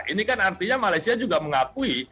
ini kan artinya malaysia juga mengakui